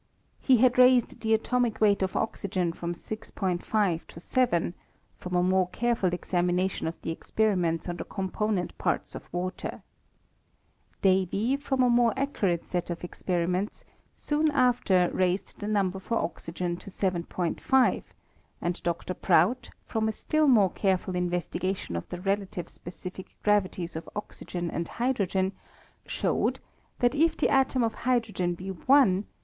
He had ndsed tlie atomic weight of oxygen from 6'5 to 7, from a more careful examination of the experiments on the OHnponent parts of water, Davy, from a more ac curate set of experiments, soon after raised the aumber for oxygen to 1 5 : and Dr. Prout, from a •ttU more careful investigation of the relative specific gravities of oxygen and hydrogen, showed that if the atom of hydrogen be I, tha.